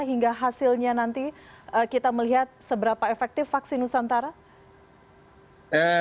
hingga hasilnya nanti kita melihat seberapa efektif vaksin nusantara